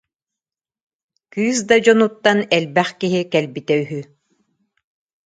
Кыыс да дьонуттан элбэх киһи кэлбитэ үһү